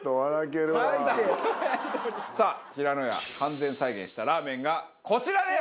さあひらのや完全再現したラーメンがこちらです！